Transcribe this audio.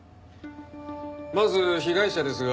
まず被害者ですが。